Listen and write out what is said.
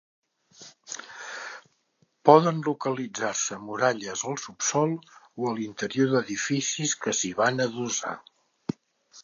Poden localitzar-se muralles al subsòl o a l'interior d'edificis que s'hi van adossar.